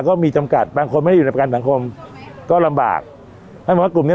ก็มีจำกัดบางคนไม่ได้อยู่ในประกันสังคมก็ลำบากท่านบอกว่ากลุ่มเนี้ย